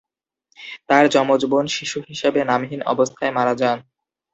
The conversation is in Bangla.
তাঁর যমজ বোন শিশু হিসাবে নামহীন অবস্থায় মারা যান।